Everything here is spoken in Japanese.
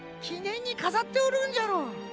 きねんにかざっておるんじゃろう。